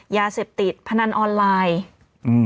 ยาเสพติดพนันออนไลน์อืม